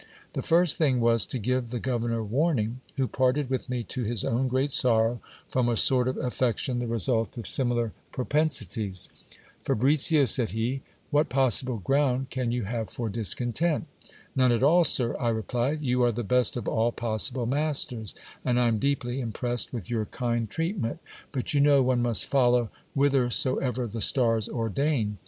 The first thing was to give the governor warning, who parted with me to his own great sorrow, from a sort of affection the result of similar propensities. Fabricio, said he, what possible ground can you have for discontent ? None at all, sir, I replied ; you are the best of all possible masters, and I am deeply impressed with your kind treatment ; but you know one must follow whithersoever the stars ordain.